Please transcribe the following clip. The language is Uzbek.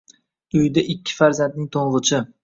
Uyida ikki farzandning to`ng`ichi